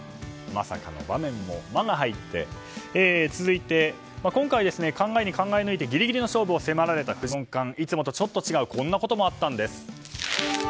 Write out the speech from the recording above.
まさかの場面も！の「マ」が入って続いて今回、考えに考え抜いてギリギリの勝負となった藤井四冠いつもとちょっと違うこんな瞬間があったようです。